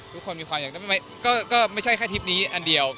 ทุกคนเยี่ยมไม่ใช่แค่แบบนี้อันเดียว